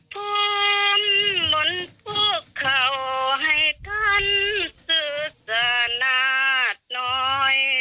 พร้อมมนต์พวกเขาให้ท่านสื่อสารนาศน้อย